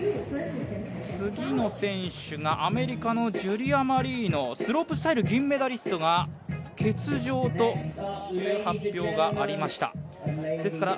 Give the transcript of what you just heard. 次の選手がアメリカのジュリア・マリーノスロープスタイル銀メダリストが欠場という発表がありました。